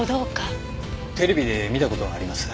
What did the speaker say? テレビで見た事あります。